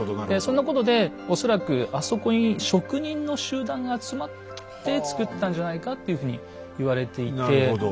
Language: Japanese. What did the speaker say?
そんなことで恐らくあそこに職人の集団が集まってつくったんじゃないかっていうふうに言われていて。